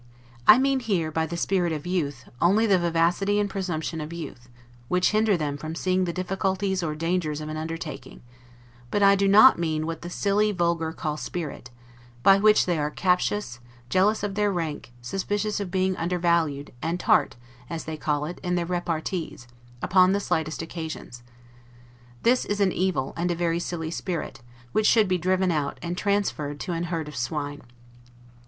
I mean here, by the spirit of youth, only the vivacity and presumption of youth, which hinder them from seeing the difficulties or dangers of an undertaking, but I do not mean what the silly vulgar call spirit, by which they are captious, jealous of their rank, suspicious of being undervalued, and tart (as they call it) in their repartees, upon the slightest occasions. This is an evil, and a very silly spirit, which should be driven out, and transferred to an herd of swine.